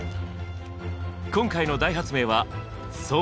今回の大発明はそう！